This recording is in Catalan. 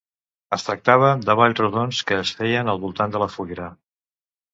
Es tractava de balls rodons que es feien al voltant de la foguera.